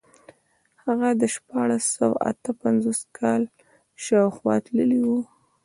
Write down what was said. هغه د شپاړس سوه اته پنځوس کال شاوخوا تللی و.